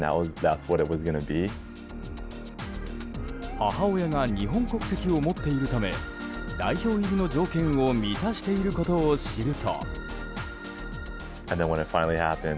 母親が日本国籍を持っているため代表入りの条件を満たしていることを知ると。